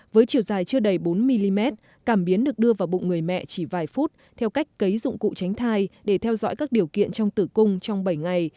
với chiều dài chưa đầy bốn mm cảm biến được đưa vào bụng người mẹ chỉ vài phút theo cách cấy dụng cụ tránh thai để theo dõi các điều kiện trong tử cung trong bảy ngày